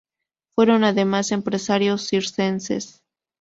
Fueron además empresarios circenses.